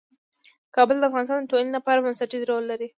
کابل د افغانستان د ټولنې لپاره بنسټيز رول لري.